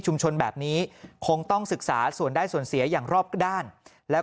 ชนแบบนี้คงต้องศึกษาส่วนได้ส่วนเสียอย่างรอบด้านแล้ว